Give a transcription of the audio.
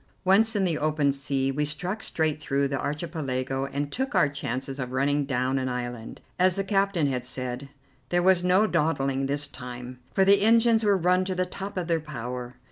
Once in the open sea, we struck straight through the Archipelago and took our chances of running down an island, as the captain had said. There was no dawdling this time, for the engines were run to the top of their power.